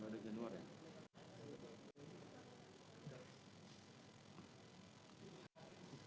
di januari ya